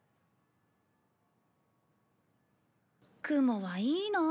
雲はいいなあ。